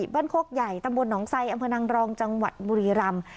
บ้านโคกใหญ่ตำบวนหนองไส้อำนางรองจังหวัดบุรีรำ